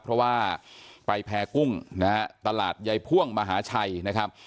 เพราะว่าไปแพร่กุ้งนะฮะตลาดยายพ่วงมหาชัยนะครับ